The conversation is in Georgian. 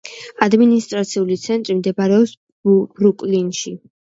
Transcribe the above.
ადმინისტრაციული ცენტრი მდებარეობს ბრუკლინში.